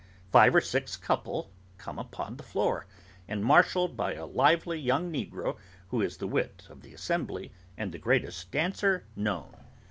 Five or six couple come upon the floor, marshalled by a lively young negro, who is the wit of the assembly, and the greatest dancer known.